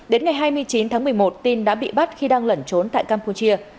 đến ngày hai mươi chín tháng một mươi một tin đã bị bắt khi đang lẩn trốn tại campuchia